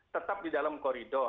tetap di dalam koridor